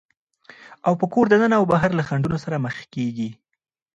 او په کوره دننه او بهر له خنډونو سره مخېږي،